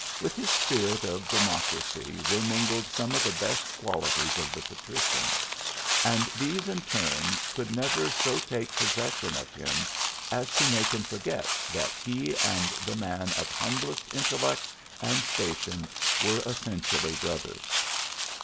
With his spirit of democ racy were mingled some of the best qualities of the patrician ; and these in turn could never so take possession of him as to make him forget that he and the man of humblest intellect and sta tion were essentially brothers.